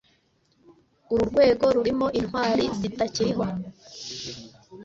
Uru rwego rurimo intwali zitakiriho.